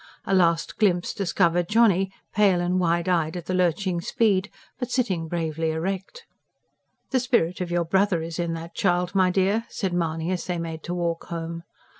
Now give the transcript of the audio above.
A last glimpse discovered Johnny, pale and wide eyed at the lurching speed, but sitting bravely erect. "The spirit of your brother in that child, my dear!" said Mahony as they made to walk home.